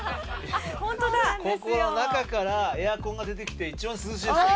ここ中からエアコンが出てきて一番涼しいんすよ。